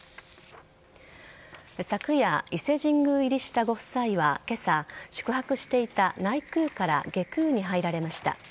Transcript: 昨夜伊勢神宮入りしたご夫妻は今朝宿泊していた内宮から外宮に入られました。